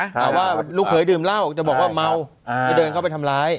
หาว่าลูกเขยดื่มเหล้าจะบอกว่าเมาจะเดินเข้าไปทำร้าย